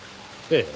ええ。